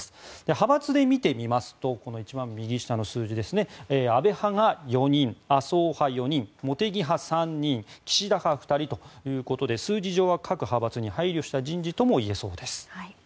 派閥で見てみますと一番右下の数字安倍派が４人麻生派が４人茂木派３人、岸田派２人ということで数字上は各派閥に配慮した人事ともいえそうです。